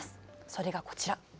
それがこちら。